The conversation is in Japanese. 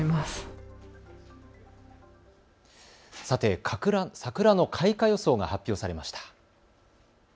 さて、桜の開花予想が発表されました。